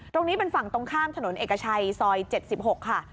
ตรงนี้เป็นฝั่งตรงข้ามถนนเอกชัยซอย๗๖ค่ะ